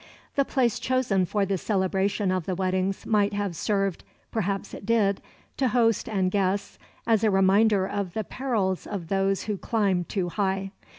The place chosen for the celebration of the weddings might have served perhaps it did to host and guests as a reminder of the perils of those who climbed too high.